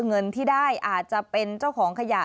เงินที่ได้อาจจะเป็นเจ้าของขยะ